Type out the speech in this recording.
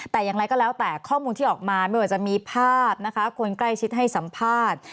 แต่อย่างไรก็แล้วแต่ข้อมูลที่ออกมาไม่ว่าจะมีภาพนะคะคนใกล้ชิดให้สัมภาษณ์